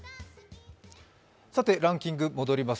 ランキングに戻ります。